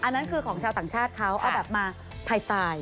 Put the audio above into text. อันนั้นคือของชาวต่างชาติเขาเอาแบบมาถ่ายสไตล์